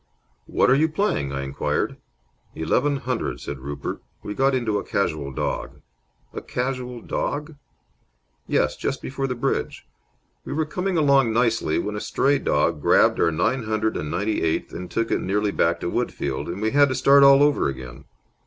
"What are you playing?" I inquired. "Eleven hundred," said Rupert. "We got into a casual dog." "A casual dog?" "Yes, just before the bridge. We were coming along nicely, when a stray dog grabbed our nine hundred and ninety eighth and took it nearly back to Woodfield, and we had to start all over again.